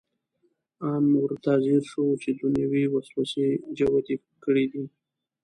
ان ورته ځیر شو چې دنیوي وسوسې جوتې کړې دي.